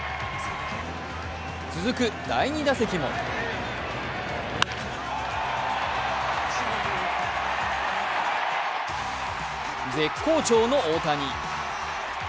続く第２打席も絶好調の大谷。